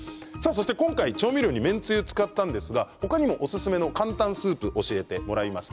今回、調味料に麺つゆを使ったんですが他にもおすすめの簡単スープを教えてもらいました。